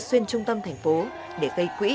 xuyên trung tâm thành phố để gây quỹ